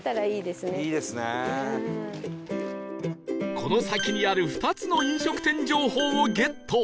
この先にある２つの飲食店情報をゲット